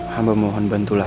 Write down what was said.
hamba mohon bantulah